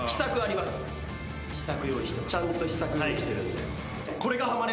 ちゃんと秘策用意してるんで。